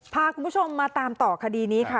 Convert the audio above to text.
พาคุณผู้ชมมาตามต่อคดีนี้ค่ะ